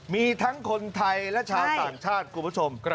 มีทั้งคนไทยและชาวต่างชาติคุณผู้ชม